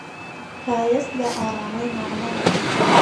ښایست د ارامۍ نغمه ده